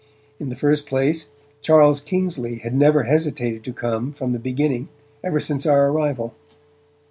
In the first place, Charles Kingsley had never hesitated to come, from the beginning, ever since our arrival.